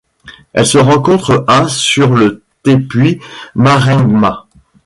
Elle se rencontre à sur le tepuy Maringma.